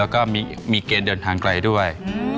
แล้วก็มีเกณฑ์เดินทางไกลด้วย